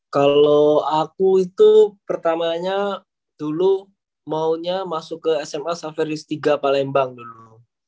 kalau aku itu pertamanya dulu maunya masuk ke sma saverius tiga palembang dulu